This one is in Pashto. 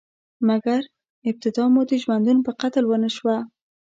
مګر، ابتدا مو د ژوندون په قتل ونشوه؟